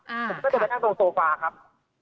ผมก็จะไปนั่งตรงโซฟาครับ